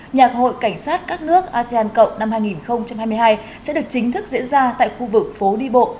nhạc hội cảnh sát các nước asean cộng năm hai nghìn hai mươi hai sẽ được chính thức diễn ra tại khu vực phố đi bộ